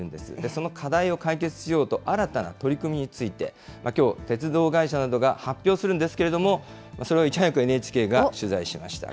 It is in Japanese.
その課題を解決しようと、新たな取り組みについて、きょう鉄道会社などが発表するんですけれども、それをいち早くＮＨＫが取材しました。